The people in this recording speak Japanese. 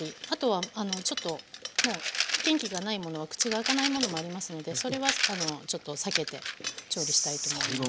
あとはちょっともう元気がないものは口が開かないものもありますのでそれはちょっと避けて調理したいと思います。